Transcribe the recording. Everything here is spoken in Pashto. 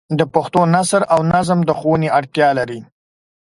د پښتو نثر او نظم د ښوونې اړتیا لري.